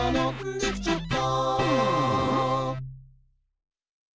「できちゃった！」